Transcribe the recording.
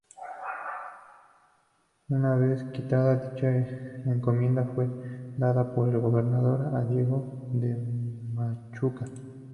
Una vez quitada dicha Encomienda fue dada por el gobernador a Diego de Machuca.